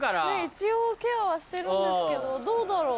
一応ケアはしてるんですけどどうだろう？